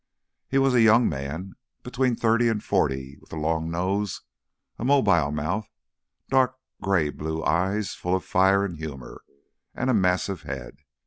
He was a young man, between thirty and forty, with a long nose, a mobile mouth, dark gray blue eyes full of fire and humour, and a massive head.